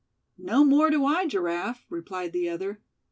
"No more do I, Giraffe," replied the other.